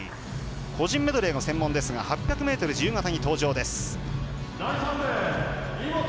個人メドレーの専門ですが８００ｍ自由形に登場です。